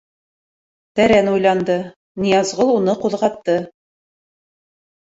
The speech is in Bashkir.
Тәрән уйланды, Ныязғол уны ҡуҙғатты.